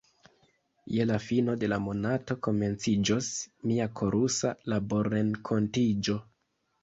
Je la fino de la monato komenciĝos mia korusa laborrenkontiĝo.